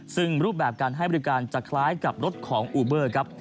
ซึ่งรูปแบบการให้บริการจะคล้ายกับรถของอูเบอร์ครับ